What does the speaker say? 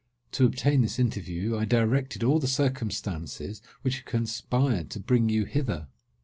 To obtain this interview, I directed all the circumstances which have conspired to bring you hither.